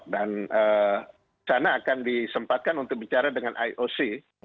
dan sana akan disempatkan untuk bicara dengan ioc